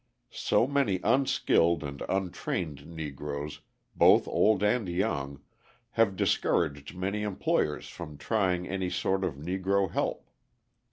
So many unskilled and untrained Negroes, both old and young, have discouraged many employers from trying any sort of Negro help.